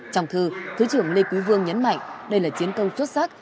trong thư thượng tướng lê quý vương nhấn mạnh đây là chiến công xuất sắc